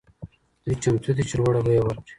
دوی چمتو دي چې لوړه بیه ورکړي.